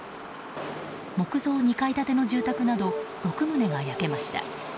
木造２階建ての住宅など６棟が焼けました。